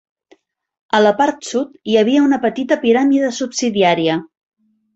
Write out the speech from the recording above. A la part sud hi havia una petita piràmide subsidiària.